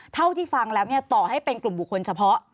เท่าที่ฟังแล้วต่อให้เป็นกลุ่มบุคคลเฉพาะ